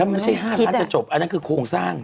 มันไม่ใช่ห้าล้านจะจบอันนั้นคือคงสร้าง